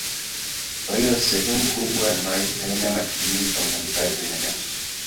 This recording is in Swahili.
Kwa hiyo sehemu kubwa ya maji haina matumizi kwa manufaa ya binadamu.